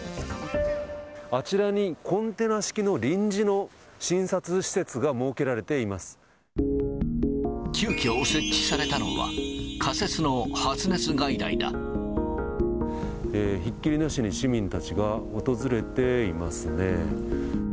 あちらにコンテナ式の臨時の急きょ、設置されたのは、ひっきりなしに市民たちが訪れていますね。